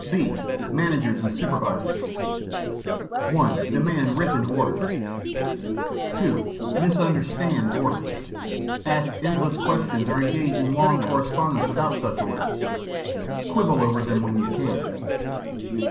(b) Managers and Supervisors (1) Demand written orders. (2) "Misunderstand" orders. Ask endless questions or engage in long correspondence about such orders. Quibble over them when you can.